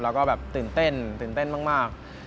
แล้วก็แบบตื่นเต้นมาก